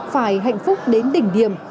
phải hạnh phúc đến đỉnh điểm